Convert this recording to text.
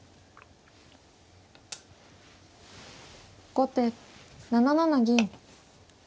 後手７七銀。